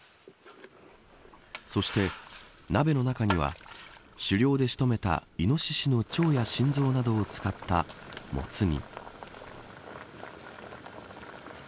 そして鍋の中には狩猟で仕留めたイノシシの腸や心臓などを使ったもつ煮。